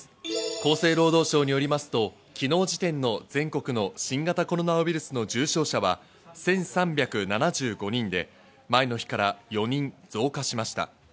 厚生労働省によりますと、昨日時点の全国の新型コロナウイルスの重症者は１３７５人で、前の日から４人増加しました。